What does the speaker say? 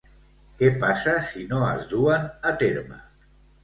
Què passa si no es duen a terme?